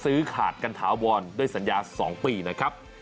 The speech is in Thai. ซื้อฆาตกันถาบอนด้วยสัญญา๒ปีนะครับ